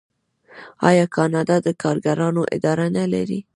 آیا کاناډا د کارګرانو اداره نلري؟